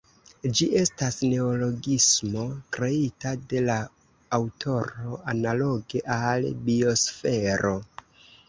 Ĝi estas neologismo kreita de la aŭtoro analoge al "biosfero".